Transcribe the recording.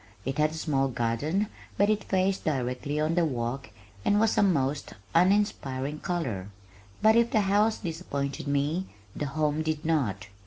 It had a small garden but it faced directly on the walk and was a most uninspiring color. But if the house disappointed me the home did not.